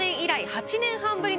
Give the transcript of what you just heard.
８年半ぶり？